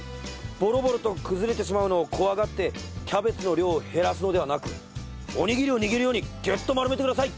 ボロボロと崩れてしまうのを怖がってキャベツの量を減らすのではなくおにぎりを握るようにギュッと丸めてください！